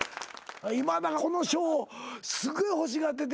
今田がこの賞をすごい欲しがってて。